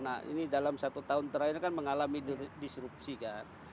nah ini dalam satu tahun terakhir ini kan mengalami disrupsi kan